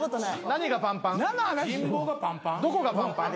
何がパンパン？